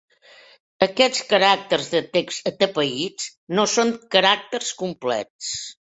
Aquests caràcters de text "atapeïts" no són caràcters complets.